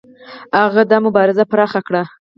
هغه دا مبارزه پراخه کړه.